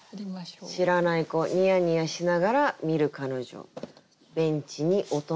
「知らない子ニヤニヤしながら見る彼女ベンチにおとなり」。